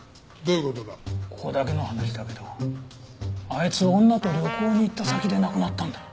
ここだけの話だけどあいつ女と旅行に行った先で亡くなったんだ。